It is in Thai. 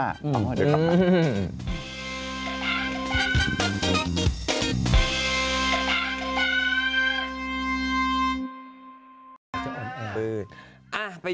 เอาล่ะเดี๋ยวกลับไป